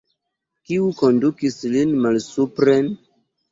Kiu kondukis lin malsupren?